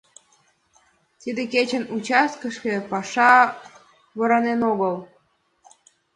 Тиде кечын участкыште паша воранен огыл.